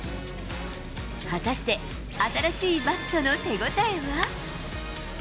果たして、新しいバットの手応えは。